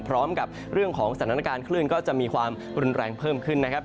พร้อมกับเรื่องของสถานการณ์คลื่นก็จะมีความรุนแรงเพิ่มขึ้นนะครับ